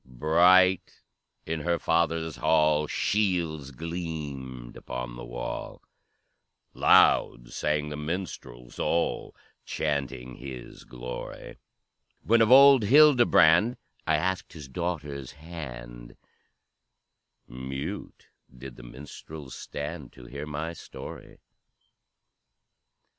"Bright in her father's hall Shields gleamed upon the wall, Loud sang the minstrels all, Chanting his glory; When of old Hildebrand I asked his daughter's hand, Mute did the minstrels stand To hear my story.